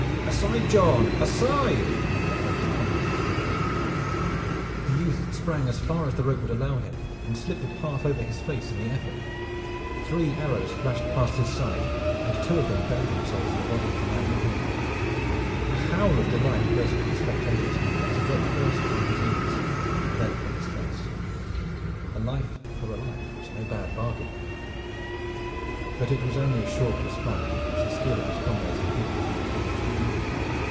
"Aside, John! Aside!" cried his comrades from below. The youth sprang as far as the rope would allow him, and slipped it half over his face in the effort. Three arrows flashed past his side, and two of them buried themselves in the body of the man behind. A howl of delight burst from the spectators as he dropped first upon his knees and then upon his face. A life for a life was no bad bargain. But it was only a short respite which the skill of his comrades had given to the young archer.